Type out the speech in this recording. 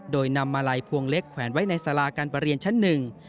โดยนำมาลัยพวงเล็กแขวนไว้ในสาราการประเรียนชั้นหนึ่ง